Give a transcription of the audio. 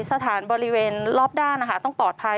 สถานบริเวณรอบด้านต้องปลอดภัย